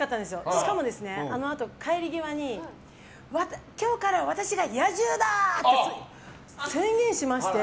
しかも、あのあと帰り際に今日から私が野獣だ！って宣言しまして。